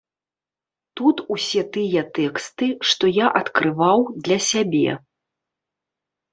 Тут усе тыя тэксты, што я адкрываў для сябе.